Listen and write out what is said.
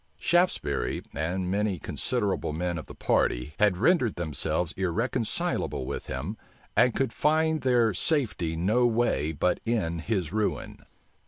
Shaftesbury, and many considerable men of the party, had rendered themselves irreconcilable with him, and could find their safety no way but in his ruin.